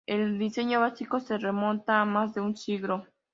El diseños básico se remonta a más de un siglo.